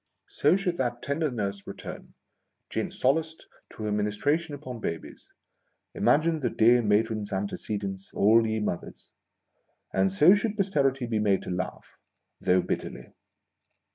So should that tender nurse return, gin solaced, to her mi nistration upon babies, (imagine the dear matron's antecedents, all ye mothers !) and so should Posterity be made to laugh, though bitterly